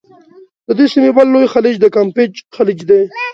د دې سیمي بل لوی خلیج د کامپېچ خلیج دی.